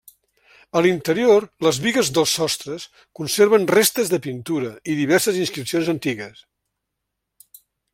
A l'interior, les bigues dels sostres conserven restes de pintura i diverses inscripcions antigues.